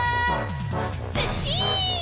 ずっしん！